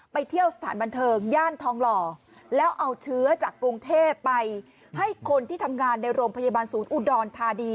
ไปเที่ยวสถานบันเทิงย่านทองหล่อแล้วเอาเชื้อจากกรุงเทพไปให้คนที่ทำงานในโรงพยาบาลศูนย์อุดรธานี